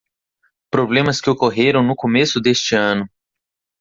Problemas que ocorreram no começo deste ano